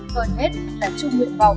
hơn hết là chung nguyện vọng